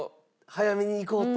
早めに行こう。